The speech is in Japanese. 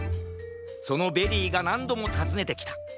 そのベリーがなんどもたずねてきた。